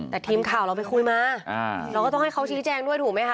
แต่ทีมข่าวเราไปคุยมาเราก็ต้องให้เขาชี้แจงด้วยถูกไหมคะ